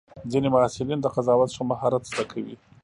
ځینې محصلین د قضاوت ښه مهارت زده کوي.